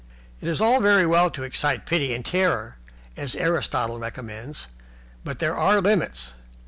It is all very well to excite pity and terror, as Aristotle recommends, but there are limits.